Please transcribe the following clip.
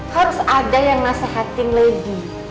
harus ada yang nasehatin lagi